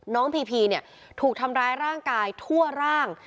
พีพีเนี่ยถูกทำร้ายร่างกายทั่วร่าง